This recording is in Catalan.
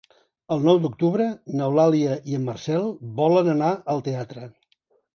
El nou d'octubre n'Eulàlia i en Marcel volen anar al teatre.